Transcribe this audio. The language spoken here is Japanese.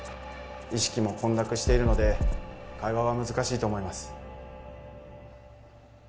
意識も混濁しているので会話は難しいと思います